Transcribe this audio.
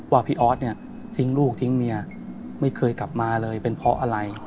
ว่าพี่ออสเนี่ยทิ้งลูกทิ้งเมียไม่เคยกลับมาเลยเป็นเพราะอะไร